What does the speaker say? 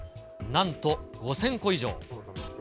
なんと５０００個以上。